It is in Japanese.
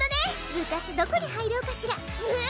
部活どこに入ろうかしらえぇ⁉